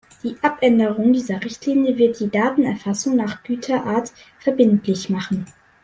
Die Abänderung dieser Richtlinie wird die Datenerfassung nach Güterart verbindlich machen.